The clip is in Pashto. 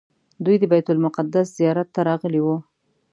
دوی د بیت المقدس زیارت ته راغلي وو.